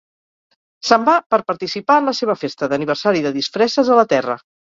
Se'n va per participar en la seva festa d'aniversari de disfresses a la Terra.